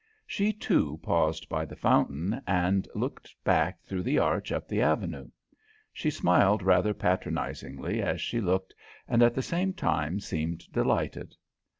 She, too, paused by the fountain and looked back through the Arch up the Avenue. She smiled rather patronizingly as she looked, and at the same time seemed delighted.